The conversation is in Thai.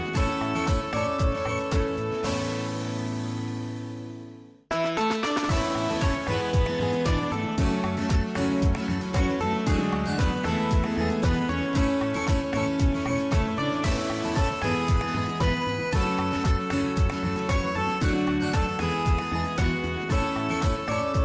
สวัสดีครับพี่สิทธิ์มหัน